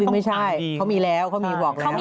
คือไม่ใช่เขามีแล้วเขามีบอกแล้ว